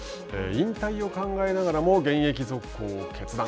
引退を考えながらも現役続行を決断。